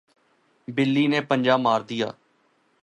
بلی نے پنجہ مار دیا تھا